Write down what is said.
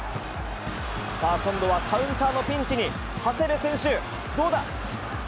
さあ、今度はカウンターのピンチに、長谷部選手、どうだ？